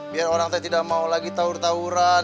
biar orang tidak mau lagi taur tauran